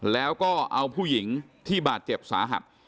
แล้วก็เอาผู้หญิงที่บาดเจ็บสาหัส